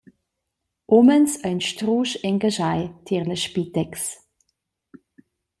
Umens ein strusch engaschai tier la Spitex.